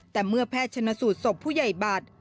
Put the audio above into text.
แต่เมื่อแพทย์ชนสูตรศพผู้ใหญ่บัตร